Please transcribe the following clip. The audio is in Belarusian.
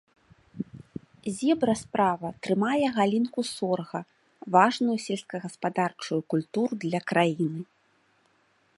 Зебра справа трымае галінку сорга, важную сельскагаспадарчую культуру для краіны.